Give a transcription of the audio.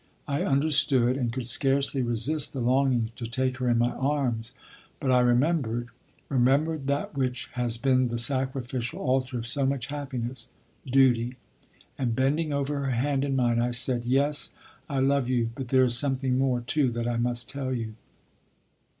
I understood, and could scarcely resist the longing to take her in my arms; but I remembered, remembered that which has been the sacrificial altar of so much happiness Duty; and bending over her hand in mine, I said: "Yes, I love you; but there is something more, too, that I must tell you."